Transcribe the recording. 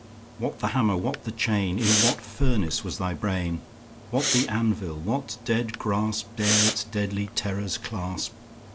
What the hammer? what the chain? In what furnace was thy brain? What the anvil? What dread grasp 15 Dare its deadly terrors clasp?